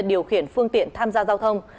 điều khiển phương tiện tham gia giao thông